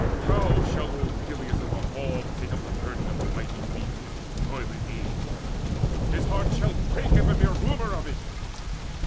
how shall old Peleus in his halls Take up the burden of a mighty grief Now in his joyless age! His heart shall break At the mere rumour of it.